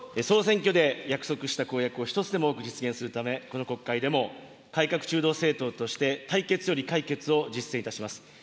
総選挙で約束した公約を一つでも多く実現するため、この国会でも改革中道政党として対決より解決を実践いたします。